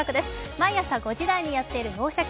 毎朝５時台にやっている「脳シャキ！